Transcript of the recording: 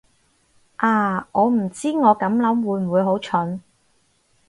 啊，我唔知我咁諗會唔會好蠢